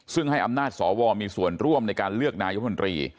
ซึ่งให้อำนาจสวมีส่วนร่วมในการเลือกนายมนตรี